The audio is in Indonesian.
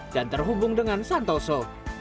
dan terhubung dengan santoso